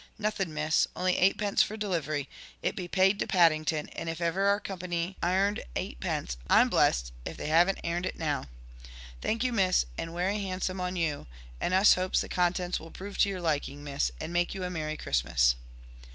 "Nothing, miss. Only eightpence for delivery. It be paid to Paddington, and if ever our Company airned eightpence, I'm blessed if they haven't airned it now. Thank you, Miss, and werry handsome on you, and us hopes the contents will prove to your liking, Miss, and make you a merry Christmas."